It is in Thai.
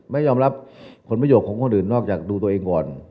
ไม่ยอมรับผลประโยชน์ของคนอื่นนอกจากดูตัวเองก่อน